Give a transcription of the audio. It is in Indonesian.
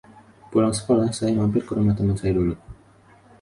Pulang sekolah saya mampir ke rumah teman saya dulu.